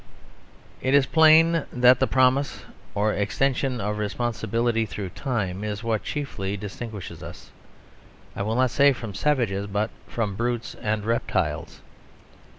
It is plain that the promise, or extension of responsibility through time, is what chiefly distinguishes us, I will not say from savages, but from brutes and reptiles.